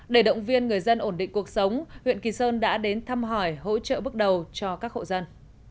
để động viên người dân ổn định cuộc sống huyện kỳ sơn đã đến thăm hỏi hỗ trợ bước đầu cho các hộ dân